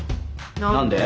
何で？